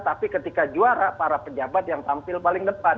tapi ketika juara para pejabat yang tampil paling depan